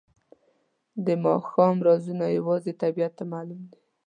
د ماښام رازونه یوازې طبیعت ته معلوم دي.